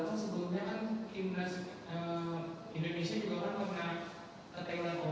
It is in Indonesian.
kalau misalnya kita juga menarik ke belakang sebelumnya kan indonesia juga kan pernah ketengah tengah